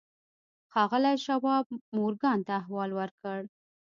ښاغلي شواب مورګان ته احوال ورکړ.